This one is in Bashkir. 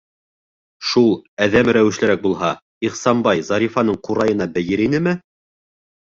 Шул әҙәм рәүешлерәк булһа, Ихсанбай Зарифаның ҡурайына бейер инеме?